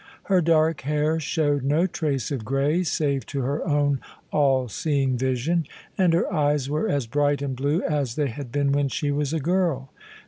Her dark hair showed no trace of grey, save to her own all seeing vision : and her eyes were as bright and blue as they had been when she was a girl.